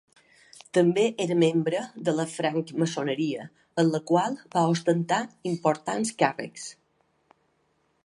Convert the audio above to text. També era membre de la francmaçoneria, en la qual va ostentar importants càrrecs.